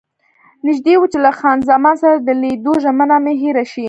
نژدې وو چې له خان زمان سره د لیدو ژمنه مې هېره شي.